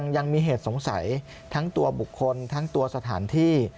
ยังมีเหตุสงสัยทั้งตัวบุคคลทั้งตัวสถานที่